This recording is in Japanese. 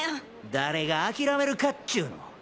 誰が諦めるかっちゅうの！